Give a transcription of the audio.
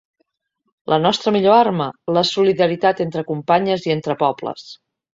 La nostra millor arma, la solidaritat entre companyes i entre pobles.